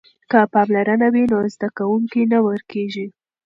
که پاملرنه وي نو زده کوونکی نه ورکیږي.